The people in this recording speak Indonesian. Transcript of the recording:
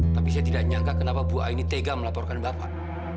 tapi saya tidak nyangka kenapa bu aini tega melaporkan bapak